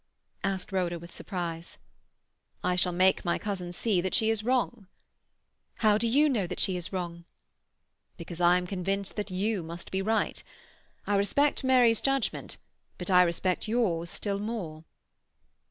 asked Rhoda with surprise. "I shall make my cousin see that she is wrong." "How do you know that she is wrong?" "Because I am convinced that you must be right. I respect Mary's judgment, but I respect yours still more."